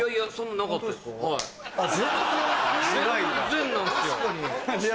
全然なんすよ。